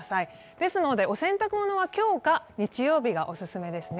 ですので、お洗濯物は今日か日曜日がオススメですね。